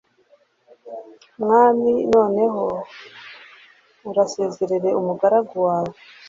mwami noneho urasezerere umugaragu wawe